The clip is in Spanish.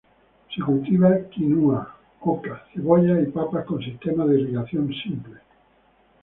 Se cultiva quinua, oca, cebollas y papas con sistemas de irrigación simples.